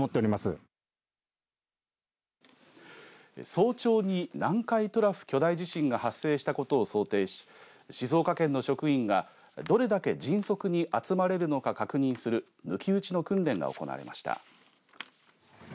早朝に南海トラフ巨大地震が発生したことを想定し静岡県の職員がどれだけ迅速に集まれるのか確認する抜き打ちの訓練が行われました。